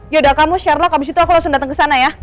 yaudah kamu share lok abis itu aku langsung datang ke sana ya